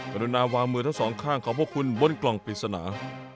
รุณาวางมือทั้งสองข้างของพวกคุณบนกล่องปริศนา